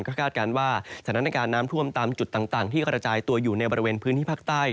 ก็คาดการณ์ว่าสถานการณ์น้ำท่วมตามจุดต่างที่กระจายตัวอยู่ในบริเวณพื้นที่ภาคใต้